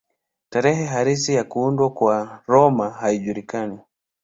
Tarehe halisi ya kuundwa kwa Roma haijulikani.